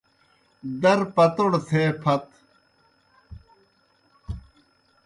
در پتَوڑ تھے پھت۔